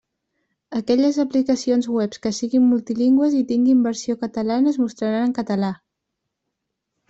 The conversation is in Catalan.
Aquelles aplicacions web que siguin multilingües i tinguin versió catalana es mostraran en català.